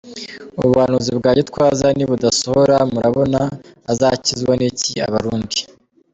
Ubu buhanuzi bwa Gitwaza nibudasohora murabona azakizwa n’iki Abarundi?.